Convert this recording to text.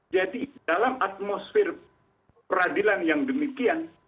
jadi dalam atmosfer peradilan yang demikian